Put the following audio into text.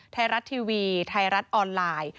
ไทยรัฐทีวีไทยรัฐออนไลน์